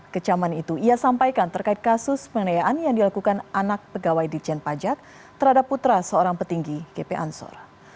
kecaman itu ia sampaikan terkait kasus penganayaan yang dilakukan anak pegawai di cien pajak terhadap putra seorang petinggi g p ansor